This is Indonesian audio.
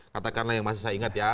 katakanlah yang masih saya ingat ya